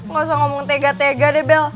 gak usah ngomong tega tega deh bel